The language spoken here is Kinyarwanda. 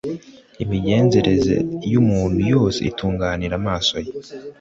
Imigenzereze y umuntu yose itunganira amaso ye